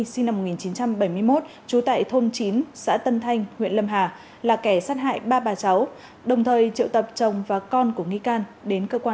sinh năm một nghìn chín trăm bảy mươi một trú tại thôn chín xã tân thanh huyện lâm hà là kẻ sát hại ba bà cháu